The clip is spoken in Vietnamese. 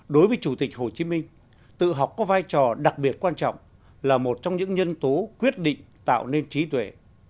đối với chủ tịch hồ chí minh tự học có vai trò đặc biệt quan trọng là một trong những nhân tố quyết định tạo nên trí tuệ